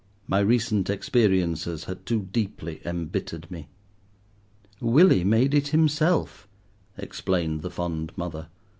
My recent experiences had too deeply embittered me. "Willie made it himself," explained the fond mother.